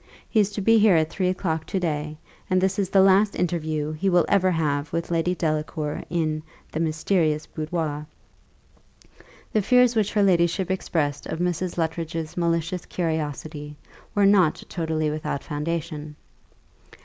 He is to be here at three o'clock to day; and this is the last interview he will ever have with Lady Delacour in the mysterious boudoir." The fears which her ladyship expressed of Mrs. Luttridge's malicious curiosity were not totally without foundation.